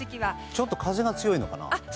ちょっと風が強いのかな？